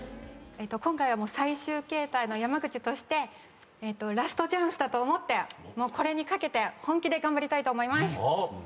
今回は最終形態の山口としてラストチャンスだと思ってこれに懸けて本気で頑張りたいと思います。